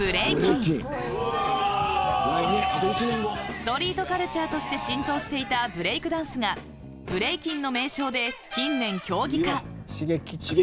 ストリートカルチャーとして浸透していたブレイクダンスがブレイキンの名称で近年競技化。